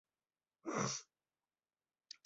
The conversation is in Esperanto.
La soldatoj zorge okupiĝis pri ili.